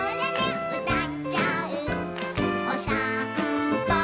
「おさんぽ